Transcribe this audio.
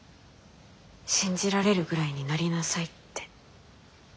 信じられるぐらいになりなさいって。